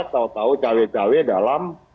tau tau cawek cawek dalam